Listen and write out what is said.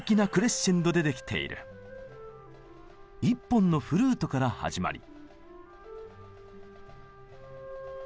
１本のフルートから始まり。